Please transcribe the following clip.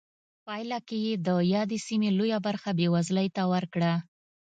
پایله کې یې د یادې سیمې لویه برخه بېوزلۍ ته ورکړه.